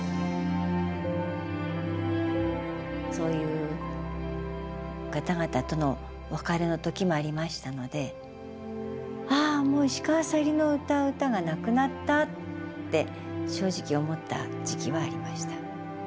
そういう方々との別れの時もありましたので「ああもう石川さゆりが歌う歌がなくなった」って正直思った時期はありました。